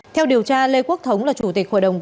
theo điều tra lê quốc thống là chủ tịch hội đồng